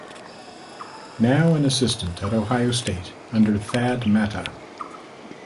Now an assistant at Ohio State under Thad Matta.